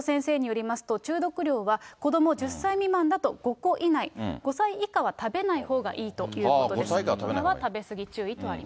森本先生によりますと、中毒量はこども１０歳未満だと５個以内、５歳以下は食べないほうがいいということです。